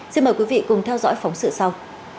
xin mời quý vị cùng theo dõi phóng sự sau